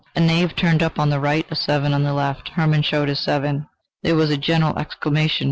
A knave turned up on the right, a seven on the left. Hermann showed his seven. There was a general exclamation.